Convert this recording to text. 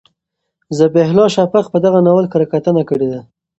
ذبیح الله شفق په دغه ناول کره کتنه کړې ده.